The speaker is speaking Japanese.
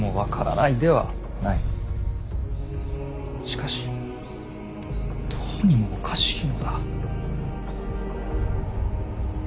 しかしどうにもおかしいのだ。